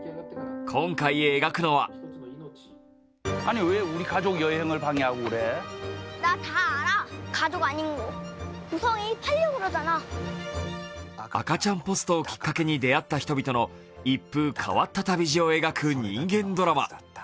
今回描くのは赤ちゃんポストをきっかけに出会った人々の一風変わった旅路を描く人間ドラマ。